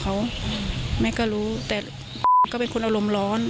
โทรไปถามว่าแม่ช่วยด้วยถูกจับ